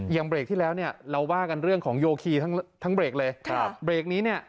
อย่างเบรคที่แล้วเนี้ยเราว่ากันเรื่องของโยครี